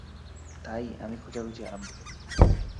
তাই, আমি খোঁজাখুঁজি আরম্ভ করি।